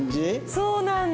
そうなんだ。